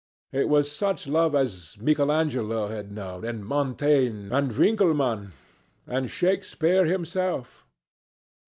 It was such love as Michelangelo had known, and Montaigne, and Winckelmann, and Shakespeare himself.